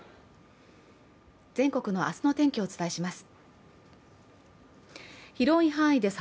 全国の明日の天気をお伝えします。